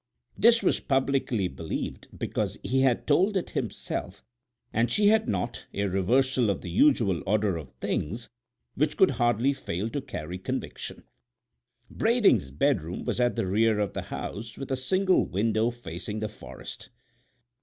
This was publicly believed because he had told it himself and she had not—a reversal of the usual order of things which could hardly fail to carry conviction. Brading's bedroom was at the rear of the house, with a single window facing the forest.